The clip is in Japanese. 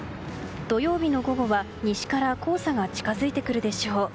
土曜日の午後は西から黄砂が近づいてくるでしょう。